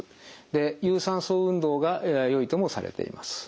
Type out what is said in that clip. で有酸素運動がややよいともされています。